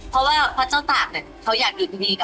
เพราะว่าพระเจ้าตากเขาอยากอยู่ดีกับแม่